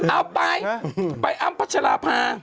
เอาไปไปอ้ำพัชราภา